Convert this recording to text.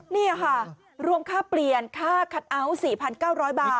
นี่ค่ะรวมค่าเปลี่ยนค่าคัทเอาท์๔๙๐๐บาท